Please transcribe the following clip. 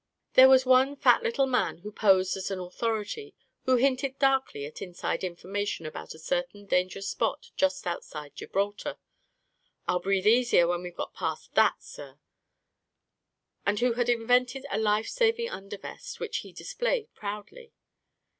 There was one fat little man who posed as an authority, who hinted darkly at inside information about a certain dangerous spot just outside Gibraltar —" I'll breathe easier when we've got past that, sir 1 "— and who had invented a life saving under vest, which he displayed proudly.